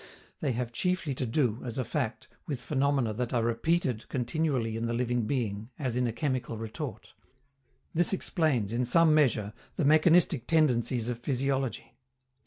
They have chiefly to do, as a fact, with phenomena that are repeated continually in the living being, as in a chemical retort. This explains, in some measure, the mechanistic tendencies of physiology.